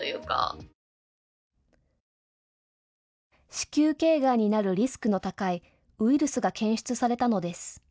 子宮頸がんになるリスクの高いウイルスが検出されたのです。